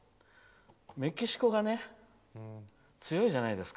メキシコが強いじゃないですか。